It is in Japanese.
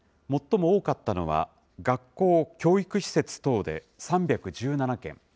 最も多かったのは、学校・教育施設等で３１７件。